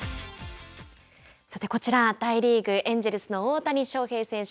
さてこちら大リーグ、エンジェルスの大谷翔平選手。